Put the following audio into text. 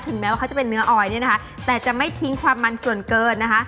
แม้ว่าเขาจะเป็นเนื้อออยเนี่ยนะคะแต่จะไม่ทิ้งความมันส่วนเกินนะคะ